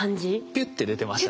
ピュッて出てましたね。